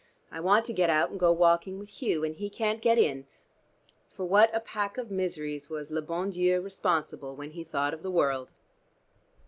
I want to get out and go walking with Hugh. And he can't get in. For what a pack of miseries was le bon Dieu responsible when he thought of the world."